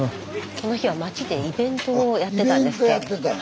この日は町でイベントをやってたんです。